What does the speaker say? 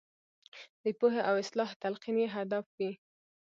د پوهې او اصلاح تلقین یې هدف وي.